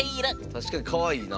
確かにかわいいな。